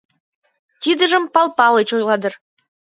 Тидыжым Пал Палыч ойла дыр.